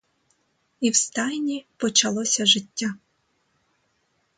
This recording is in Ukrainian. І в стайні почалося життя.